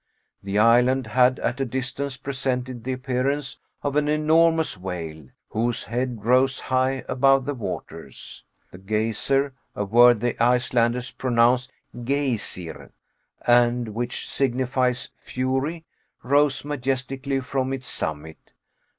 The island had, at a distance, presented the appearance of an enormous whale, whose head rose high above the waters. The geyser, a word the Icelanders pronounce geysir, and which signifies fury, rose majestically from its summit.